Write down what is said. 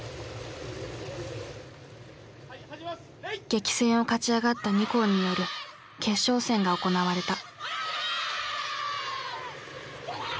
激戦を勝ち上がった２校による決勝戦が行われた。